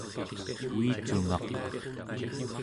uicungaq